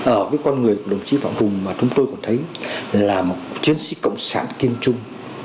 ở cái con người của đồng chí phạm hùng mà chúng tôi còn thấy là một chiến sĩ cộng sản kiên trung